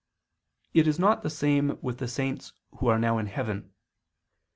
It is not the same with the saints who are now in heaven.